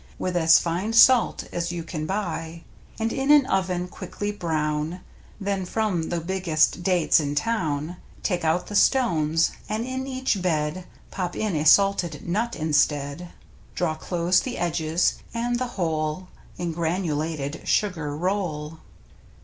With as fine salt as you can buy. And in an oven quickly brown. Then from the biggest dates in town Take out the stones, and in each bed Pop in a salted nut instead. Draw close the edges, and the whole In granulated sugar roll.